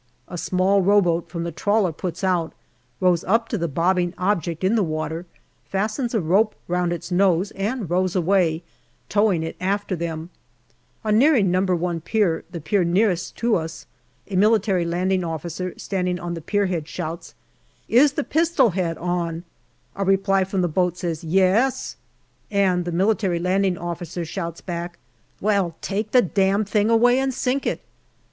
" A small row boat from the trawler puts out, rows up to the bobbing object in the water, fastens a rope round its nose and rows away, towing it after them. On nearing No. i Pier, the pier nearest to us, an M.L.O. standing at the pierhead shouts, " Is the pistol head on ?" A reply from the boat says " Yes," and the M.L.O. shouts back, " Well, take the damn thing away and sink it."